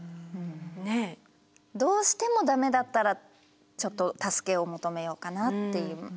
ねえ。どうしても駄目だったらちょっと助けを求めようかなっていう。